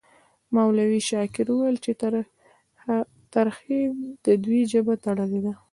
مولوي شاکر وویل چې ترهې د دوی ژبه تړلې ده.